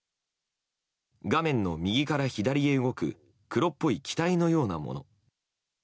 画面の右から左へ動く黒っぽい機体のようなもの。